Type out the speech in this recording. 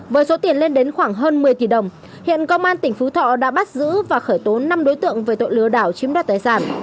với số tiền lên đến khoảng hơn một mươi tỷ đồng hiện công an tỉnh phú thọ đã bắt giữ và khởi tố năm đối tượng về tội lừa đảo chiếm đoạt tài sản